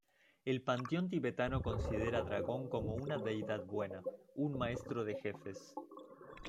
El panteón tibetano considera dragón como una deidad buena, un maestro de jefes.